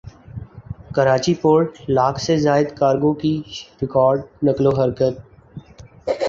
Karachi port lakh سے زائد cargo کی ریکارڈ نقل وحرکت